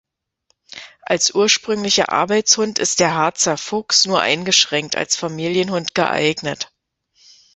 Als ursprünglicher Arbeitshund ist der Harzer Fuchs nur eingeschränkt als Familienhund geeignet.